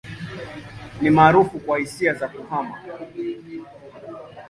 Ni maarufu kwa hisia za kuhama.